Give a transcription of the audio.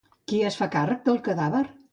Qui es fa càrrec del cadàver?